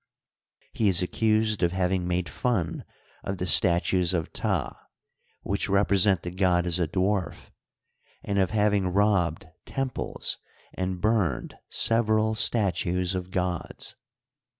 He is accused of having made fun of the statues of Ptah, which represent the god as a dwarf, and of having robbed temples and burned several statues of gods.